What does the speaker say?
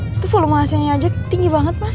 itu volume hasilnya aja tinggi banget mas